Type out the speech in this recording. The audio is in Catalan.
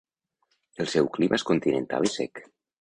El seu clima és continental i sec.